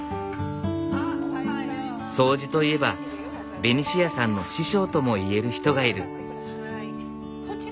掃除といえばベニシアさんの師匠とも言える人がいる。